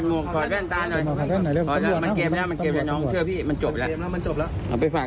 มีใครร่วมบ้าง